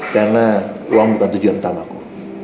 karena uang bukan tujuan utamaku